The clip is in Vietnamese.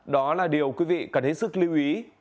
đó là điều quý vị cần hết sức lưu ý